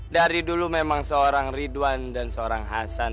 dari dulu memang seorang ridwan dan seorang hasan